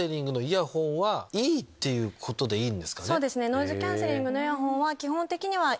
ノイズキャンセリングのイヤホンは。